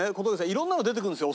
いろんなの出てくるんですよ